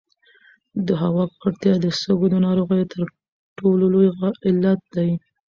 د هوا ککړتیا د سږو د ناروغیو تر ټولو لوی علت دی.